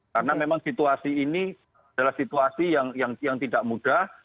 karena memang situasi ini adalah situasi yang tidak mudah